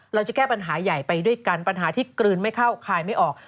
เราจะแก้ปัญหาใหญ่ไปด้วยกันปัญหาที่กลืนไม่เข้าคายไม่ออก